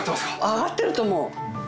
上がってると思う。